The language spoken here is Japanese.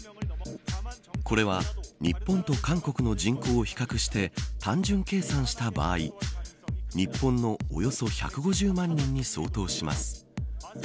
これは日本と韓国の人口を比較して単純計算した場合日本のおよそ１５０万人に相当します。